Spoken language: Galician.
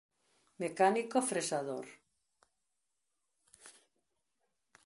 Mecánico fresador.